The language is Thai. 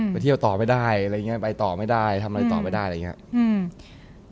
ไปเที่ยวต่อไม่ได้อะไรอย่างเงี้ไปต่อไม่ได้ทำอะไรต่อไม่ได้อะไรอย่างเงี้ยอืม